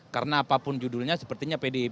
karena apapun judulnya sepertinya pdip terus ikut